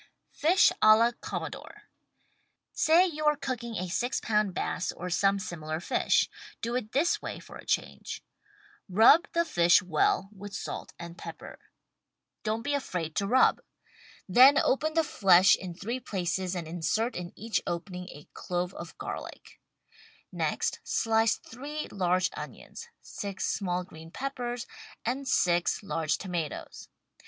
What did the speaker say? FISH A LA COMMODORE Say you are cooking a six pound bass or some similar fish — do it this way for a change: Rub the fish well with salt and pepper. Don't be afraid THE STAG COOK BOOK to rub. Then open the flesh in three places and insert in each opening a clove of garlic. Next slice six large onions — six small green peppers — and six large tomatoes.